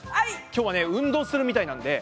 今日はね運動するみたいなんで。